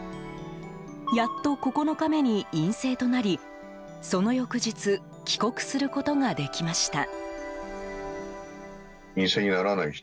やっと９日目に陰性となりその翌日帰国することができました。